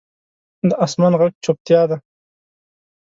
د اسمان ږغ چوپتیا ده.